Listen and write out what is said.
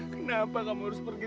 kenapa kamu harus pergi